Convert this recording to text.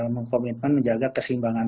mengkomitmen menjaga kesimbangan